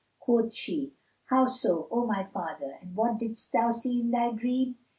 Quoth she, "How so, O my father, and what didst thou see in thy dream?"